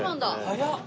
早っ！